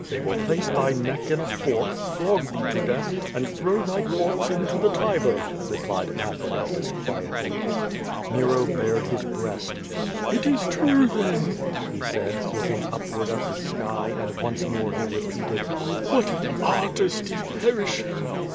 ''They ^vill place thy neck in a fork, flog thee to death, and throw thy corpse into the Tiber/* replied Epaphroditud quietly. Nero bared his breast. "It is true, then, he said, looking upward at the sky, and once more he repeated: "What an artist is perishing!